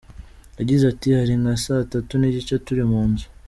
Yagize ati “Hari nka saa tatu n’igice turi mu nzu.